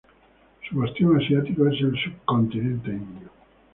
Su bastión asiático es el subcontinente indio.